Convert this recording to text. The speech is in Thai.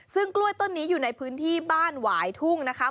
ซึ่งกล้วยต้นนี้อยู่ในพื้นที่บ้านหวายทุ่งนะคะ